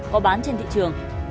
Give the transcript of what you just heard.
có bán trên thị trường